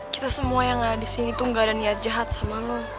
kita semua yang ada di sini tuh gak ada niat jahat sama lo